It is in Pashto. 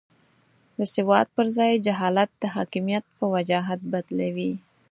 د سواد پر ځای جهالت د حاکمیت په وجاهت بدلوي.